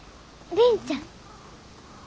凛ちゃん。